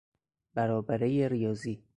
برابرهی ریاضی